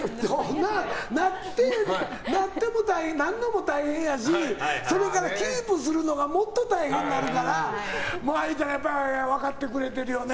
なるまでも、なっても大変やしそれからキープするのがもっと大変になるから藍ちゃん、分かってくれてるよね。